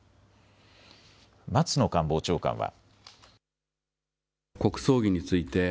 松野官房長官は。